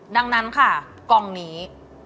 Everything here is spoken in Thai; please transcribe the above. ดังนั้นค่ะกองนี้